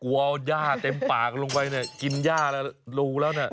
กลัวเอาย่าเต็มปากลงไปกินย่าลูกไปแล้วเนี่ย